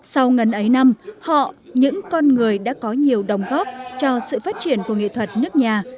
sau ngần ấy năm họ những con người đã có nhiều đồng góp cho sự phát triển của nghệ thuật nước nhà